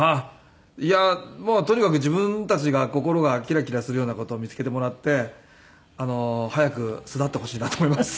いやまあとにかく自分たちが心がキラキラするような事を見つけてもらって早く巣立ってほしいなと思います。